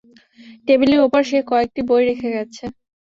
টেবিলের উপর সে কয়েকটি বই রেখে গেছে।